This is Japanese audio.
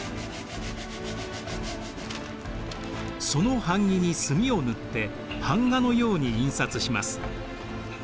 その版木に墨を塗って版画のように印刷します。